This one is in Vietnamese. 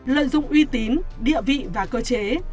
lợi dụng uy tín địa vị và cơ chế